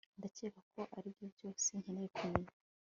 ndakeka ko aribyo byose nkeneye kumenya